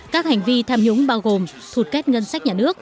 các hành vi tham nhũng bao gồm thụt kết ngân sách nhà nước